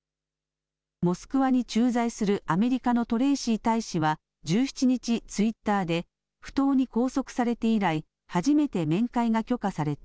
モスクワに駐在するアメリカのトレーシー大使は１７日、ツイッターで不当に拘束されて以来、初めて面会が許可された。